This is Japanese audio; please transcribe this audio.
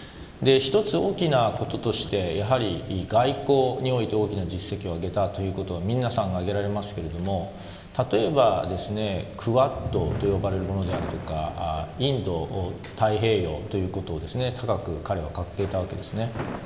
１つ、大きなこととしてやはり外交において大きな実績を上げたということを皆さん、挙げられますけれども例えば、クアッドと呼ばれるものですとかインド太平洋ということを高く彼は掲げたわけですね。